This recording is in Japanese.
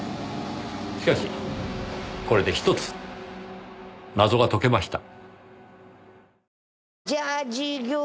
しかしこれでひとつ謎が解けました。